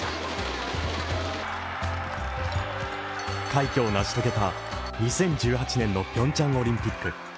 快挙を成し遂げた２０１８年のピョンチャンオリンピック。